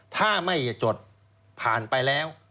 ถ้าไม่จดผ่านไปแล้ว